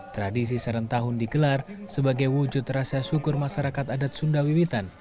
tradisi serentahun digelar sebagai wujud rasa syukur masyarakat adat sundawiwitan